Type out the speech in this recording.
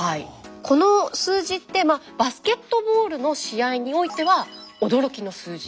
この数字ってバスケットボールの試合においては驚きの数字。